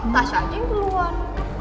masa aja yang duluan